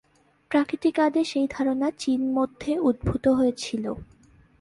প্রাকৃতিক আদেশ এই ধারণা চীন মধ্যে উদ্ভূত হয়েছিল।